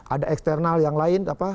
ada eksternal yang lain